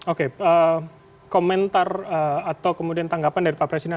oke komentar atau kemudian tanggapan dari pak presiden